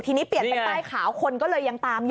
ทีนี้เปลี่ยนเป็นป้ายขาวคนก็เลยยังตามอยู่